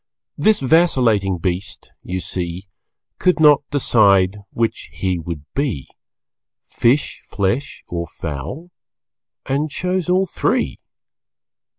This vacillating beast, you see, Could not decide which he would be Fish, flesh or fowl and chose all three.